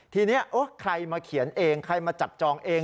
ทีนี้ใครมาเขียนเองใครมาจับจองเอง